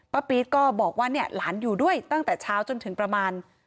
ปี๊ดก็บอกว่าเนี่ยหลานอยู่ด้วยตั้งแต่เช้าจนถึงประมาณ